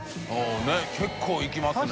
ねぇ結構いきますね。